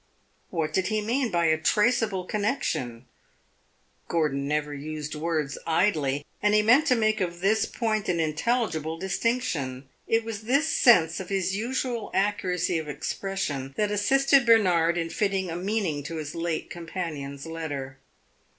What did he mean by a "traceable" connection? Gordon never used words idly, and he meant to make of this point an intelligible distinction. It was this sense of his usual accuracy of expression that assisted Bernard in fitting a meaning to his late companion's letter.